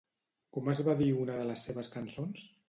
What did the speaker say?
Com es va dir una de les seves cançons?